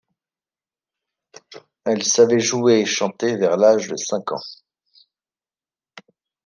Elle savait jouer et chanter vers l'âge de cinq ans.